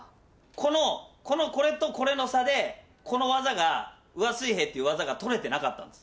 この、これとこれの差で、この技が、上水平っていう技が取れてなかったんです。